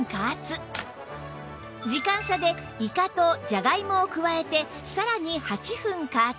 時間差でイカとジャガイモを加えてさらに８分加圧